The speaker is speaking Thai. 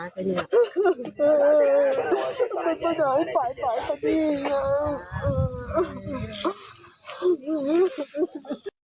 ไปไปเลยไปไปไปพี่